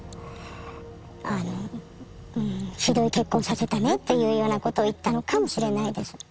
ひどい結婚をさせたねというようなことを言ったのかもしれないです。